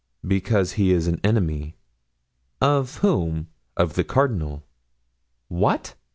"Because he is an enemy." "Of whom?" "Of the cardinal." "What?"